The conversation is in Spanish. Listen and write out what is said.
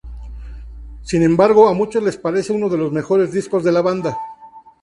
Sin embargo, a muchos les parece uno de los mejores discos de la banda.